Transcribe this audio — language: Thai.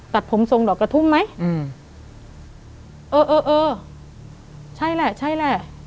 ตัดผมทรงดอกกระทุ่มไหมอืมเออเออเออเออใช่แหละใช่แหละ